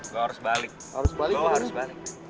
gue harus balik